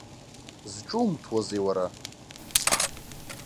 Зҿумҭуазеи, уара?